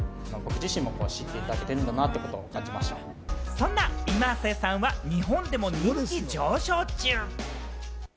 そんなｉｍａｓｅさんは日本でも人気上昇中。